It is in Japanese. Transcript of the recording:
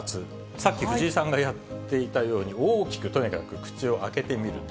さっき藤井さんがやっていたように、大きくとにかく口を開けてみると。